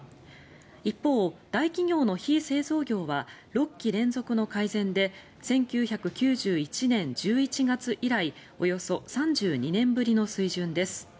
一方、大企業の非製造業は６期連続の改善で１９９１年１１月以来およそ３２年ぶりの水準です。